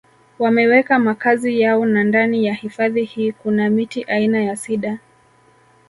Wameweka makazi yao na ndani ya hifadhi hii kuna miti aina ya Cidar